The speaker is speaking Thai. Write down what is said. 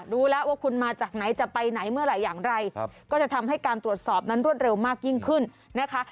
รู้แล้วว่าคุณมาจากไหนจะไปไหนเมื่อไหร่อย่างไรก็จะทำให้การตรวจสอบนั้นรวดเร็วมากยิ่งขึ้นนะคะ